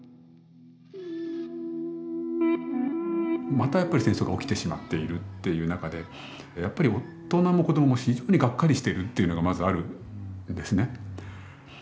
またやっぱり戦争が起きてしまっているっていう中でやっぱり大人も子どもも非常にガッカリしてるっていうのがまずあるんですね。